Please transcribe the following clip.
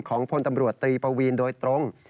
พลตำรวจตรีปวีนโดยตรง